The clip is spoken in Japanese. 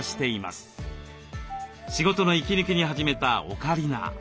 仕事の息抜きに始めたオカリナ。